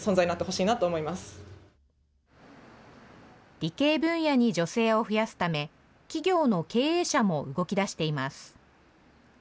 理系分野に女性を増やすため、企業の経営者も動きだしています。